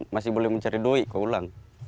masih boleh mencari duit keulang